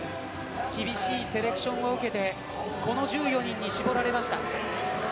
厳しいセレクションを受けてこの１４人に絞られました。